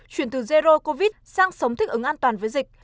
chuyển từ zero covid sang sống thích ứng an toàn với dịch